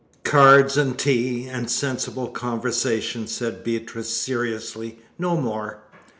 "Cards and tea, and sensible conversation," said Beatrice seriously, "no more."